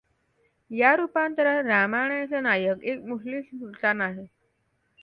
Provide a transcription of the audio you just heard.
या रूपांतरात रामायणाचा नायक एक मुस्लिम सुल्तान आहे.